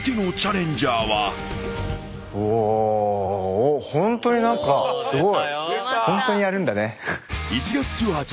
おおっホントに何かすごい。